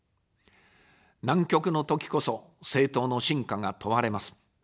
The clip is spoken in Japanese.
難局の時こそ、政党の真価が問われます。